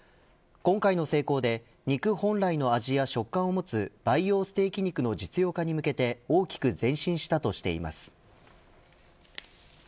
今回の成功で肉本来の味や食感を持つ培養ステーキ肉の実用化に向けて大きく前進したとしています。